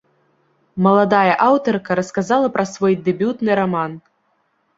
Маладая аўтарка расказала пра свой дэбютны раман.